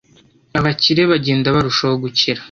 abakire bagenda barushaho gukira,